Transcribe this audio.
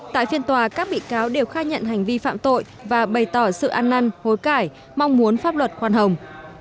tại phiên tòa các bị cáo đều khai nhận hành vi phạm tội và bày tỏ sự ăn năn hối cải mong muốn pháp luật khoan hồng